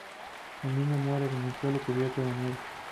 El niño muere en el suelo cubierto de nieve.